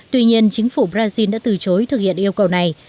tuy nhiên chính phủ brazil đã từ chối thực hiện yêu cầu này